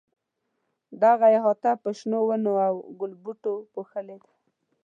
دغه احاطه په شنو ونو او ګلبوټو پوښلې ده.